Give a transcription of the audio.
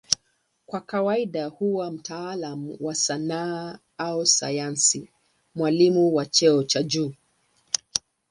Kwa kawaida huwa mtaalamu wa sanaa au sayansi, mwalimu wa cheo cha juu.